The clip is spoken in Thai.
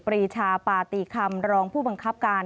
รีชาปาติคำรองผู้บังคับการ